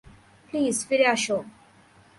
Please ফিরে আসো।